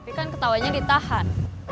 tapi kan ketawanya ditahan